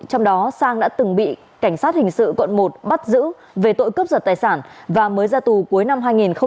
trong đó sang đã từng bị cảnh sát hình sự quận một bắt giữ về tội cướp giật tài sản và mới ra tù cuối năm hai nghìn một mươi bảy